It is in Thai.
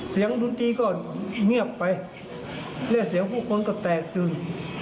เสียงดูดดีก็เงียบไปและเสียงผู้คนก็แตกจึง